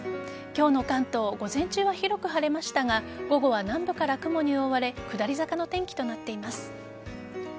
今日の関東午前中は広く晴れましたが午後は南部から雲に覆われ下り坂の天気となっています。